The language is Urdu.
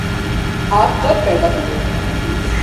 آپ کب پیدا ہوئے